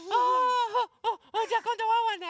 あじゃあこんどワンワンね。